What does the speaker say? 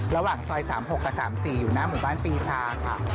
ระหว่างซอย๓๖กับ๓๔อยู่หน้าหมู่บ้านปีชาค่ะ